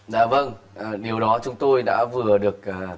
điều đó chúng tôi đã vừa được